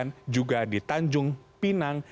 dan juga di tanjung pinang